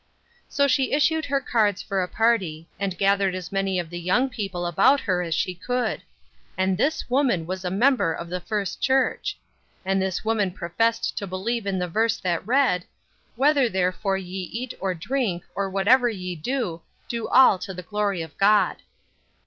So she issued her cards for a party, and gathered as many of the young people about her as she could. And this woman was a member of the First Church! And this woman professed to believe in the verse that read, "Whether therefore ye eat or drink, or whatever ye do, do all to the glory of God!"